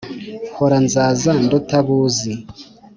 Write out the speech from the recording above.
hora nzaza nduta abo uzi